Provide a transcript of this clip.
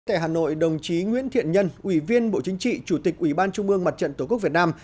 tại hà nội đồng chí nguyễn thiện nhân ủy viên bộ chính trị chủ tịch ủy ban trung ương mặt trận tổ quốc việt nam